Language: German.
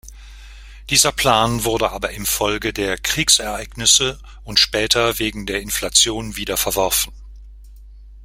Dieser Plan wurde aber infolge der Kriegsereignisse und später wegen der Inflation wieder verworfen.